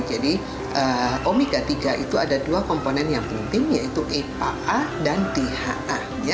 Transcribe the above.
jadi omega tiga itu ada dua komponen yang penting yaitu epa dan dha